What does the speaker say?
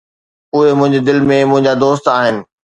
اهي منهنجي دل ۾ منهنجا دوست آهن